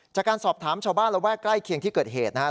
จากการสอบถามชาวบ้านระแวกใกล้เคียงที่เกิดเหตุนะครับ